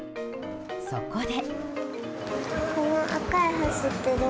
そこで。